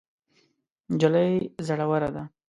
نجلۍ زړوره ده.